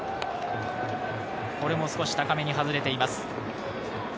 これも少し高めに外れています。